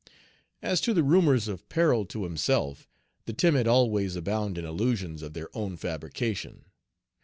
As to the rumors of peril to himself, the timid always abound in illusions of their own fabrication.